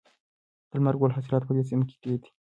د لمر ګل حاصلات په دې سیمه کې ډیر دي.